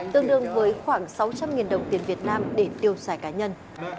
tương đương với khoảng sáu trăm linh đồng tiền việt nam để tiêu xài cá nhân